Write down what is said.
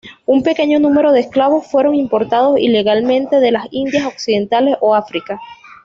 Un pequeño número de esclavos fueron importados ilegalmente de las Indias Occidentales o África.